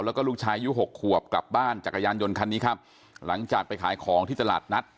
แล้วก็ลูกชายอายุหกขวบกลับบ้านจักรยานยนต์คันนี้ครับหลังจากไปขายของที่ตลาดนัด